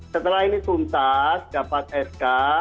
setelah ini tuntas dapat sk